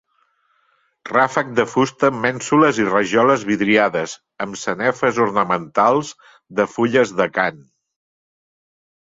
Ràfec de fusta amb mènsules i rajoles vidriades amb sanefes ornamentals de fulles d'acant.